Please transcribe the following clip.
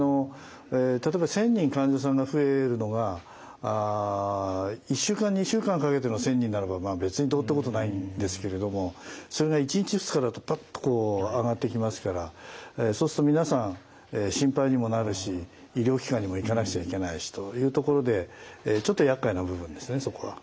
例えば１，０００人患者さんが増えるのが１週間２週間かけての１，０００人ならば別にどうってことないんですけれどもそれが１日２日だとパッとこう上がってきますからそうすると皆さん心配にもなるし医療機関にも行かなくちゃいけないしというところでちょっとやっかいな部分ですねそこは。